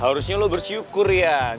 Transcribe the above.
harusnya lo bersyukur rian